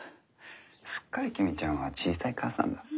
すっかり公ちゃんは小さい母さんだ。